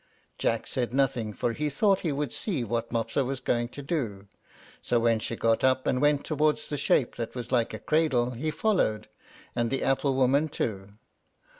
Jack said nothing, for he thought he would see what Mopsa was going to do; so when she got up and went towards the shape that was like a cradle he followed, and the apple woman too.